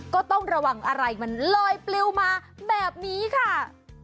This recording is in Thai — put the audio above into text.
ก็ต้องระวังอะไรมันลอยปลิวมาแบบนี้ค่ะ